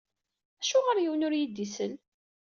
Acuɣer yiwen ur iyi-d-isell?